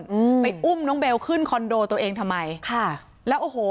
อืมไปอุ้มน้องเบลขึ้นคอนโดตัวเองทำไมค่ะแล้วโอ้โห